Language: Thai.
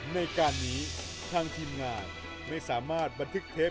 ในการนี้ทางทีมงานไม่สามารถบรรทึกเทพพิธีขอพล